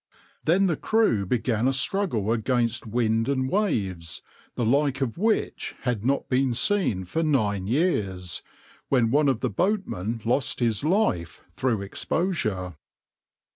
Then the crew began a struggle against wind and waves, the like of which had not been seen for nine years, when one of the boatmen lost his life through exposure.